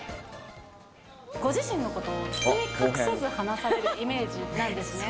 ご自身のことを包み隠さず話されるイメージなんですね。